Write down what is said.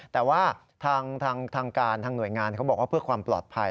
แต่ว่าทางการทางหน่วยงานเขาบอกว่าเพื่อความปลอดภัย